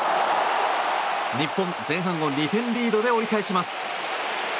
日本、前半を２点リードで折り返します。